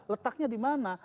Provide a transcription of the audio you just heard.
letaknya di mana